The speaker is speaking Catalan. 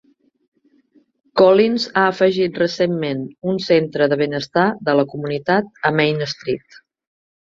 Collins ha afegit recentment un centre de benestar de la comunitat a Main Street.